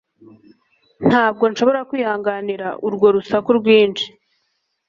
Ntabwo nshobora kwihanganira urwo rusaku rwinshi